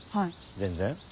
全然。